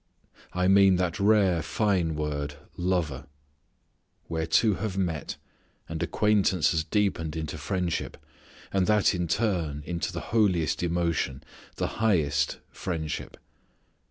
I mean that rare fine word lover. Where two have met, and acquaintance has deepened into friendship, and that in turn into the holiest emotion, the highest friendship.